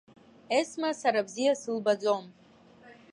Есма сара бзиа сылбаӡом!